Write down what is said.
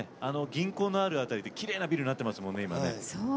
銀行がある辺りきれいなビルになってますね。